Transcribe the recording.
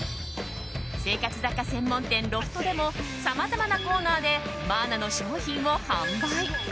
生活雑貨専門店ロフトでもさまざまなコーナーでマーナの商品を販売。